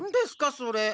それ。